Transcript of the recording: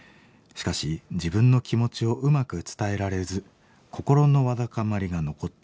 しかし自分の気持ちをうまく伝えられず心のわだかまりが残ったままです。